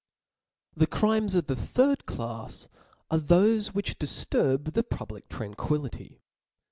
The crimes of the third clafs are thofe which dif turb the public tranquillity.